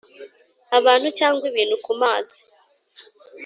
abantu cyangwa ibintu ku mazi